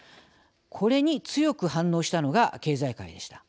これに強く反応したのが経済界でした。